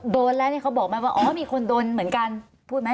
โดนแล้วเขาบอกมันว่ามีคนโดนเหมือนกันพูดไหม